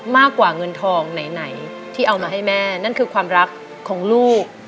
มากกว่าเงินทองไหนที่เอามาให้แม่นั่นคือความรักของลูก